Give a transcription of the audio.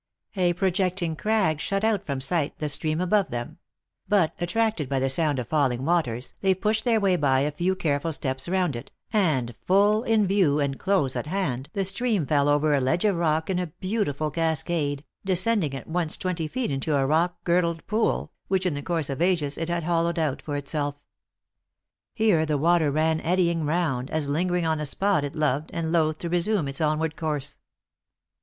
A projecting crag shut out from sight the stream above them ; but, attracted by the sound of 96 THE ACTRESS IN HIGH LIFE. falling waters, they pushed their way by a few careful steps round it, and full in view, and close at hand, the stream fell over a ledge of rock in a beautiful cas cade, descending at once twenty feet into a rock girdled pool, which in the course of ages it had hol lowed out for itself. Here the water ran eddying round, as lingering on a spot it loved, and loath to re sume its onward course.